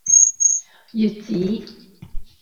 穴子